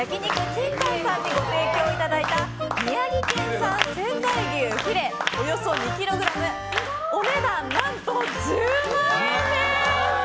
ＫＩＮＴＡＮさんにご提供いただいた宮城県産仙台牛フィレおよそ２ｋｇお値段、何と１０万円です。